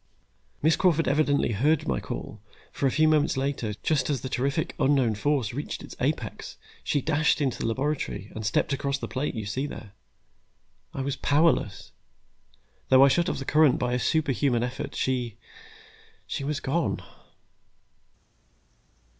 "Miss Crawford evidently heard my call, for a few moments later, just as the terrific unknown force reached its apex, she dashed into the laboratory, and stepped across the plate you see there. "I was powerless. Though I shut off the current by a superhuman effort, she she was gone!"